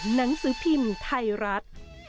หนังสือพิมพ์ไทยรัฐ